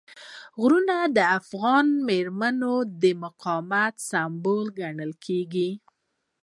غرونه د افغانانو د مېړانې او مقاومت سمبول ګڼل کېږي.